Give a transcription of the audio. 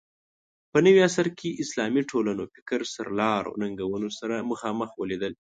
په نوي عصر کې اسلامي ټولنو فکر سرلارو ننګونو سره مخامخ ولیدل